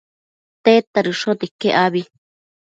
tedta dëshote iquec abi?